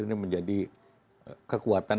ini menjadi kekuatan